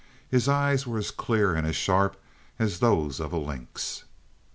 His eyes were as clear and sharp as those of a lynx.